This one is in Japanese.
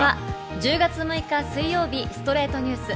１０月６日、水曜日、『ストレイトニュース』。